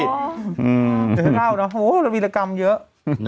เจอเท่านะโอ้โฮแล้ววิรกรรมเยอะ